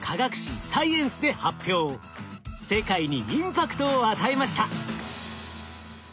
世界にインパクトを与えました。